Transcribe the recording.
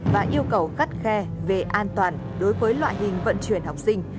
và yêu cầu khắt khe về an toàn đối với loại hình vận chuyển học sinh